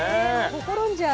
ほころんじゃう。